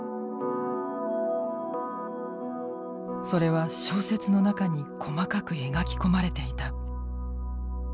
それは小説の中に細かく描き込まれていた。